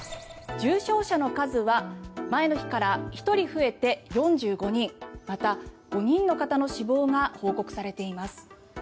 重症者の数は前の日から１人増えて４５人また、５人の方の死亡が報告されています。